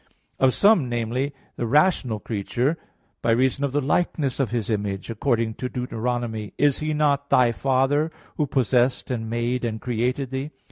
Of some, namely, the rational creature (He is the Father), by reason of the likeness of His image, according to Deut. 32:6: "Is He not thy Father, who possessed, and made, and created thee?"